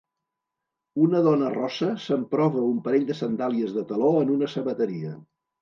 Una dona rossa s'emprova un parell de sandàlies de taló en una sabateria.